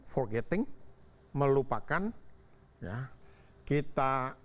forgetting melupakan kita